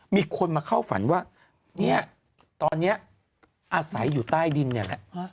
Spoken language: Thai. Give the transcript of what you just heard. มีคนมาเข้าฝันว่าเนี่ยตอนนี้อาศัยอยู่ใต้ดินเนี่ยแหละ